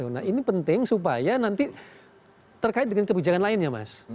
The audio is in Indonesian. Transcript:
nah ini penting supaya nanti terkait dengan kebijakan lainnya mas